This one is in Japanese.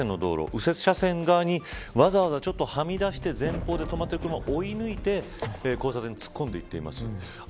右折車線側にわざわざはみ出して前方に止まってる車を追い抜いて交差点に突っ込んでいっています。